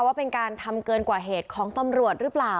ว่าเป็นการทำเกินกว่าเหตุของตำรวจหรือเปล่า